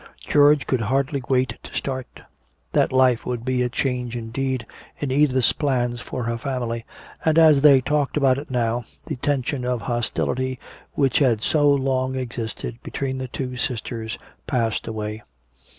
George could hardly wait to start. That life would be a change indeed in Edith's plans for her family, and as they talked about it now the tension of hostility which had so long existed between the two sisters passed away.